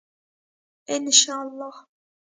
انشاالله.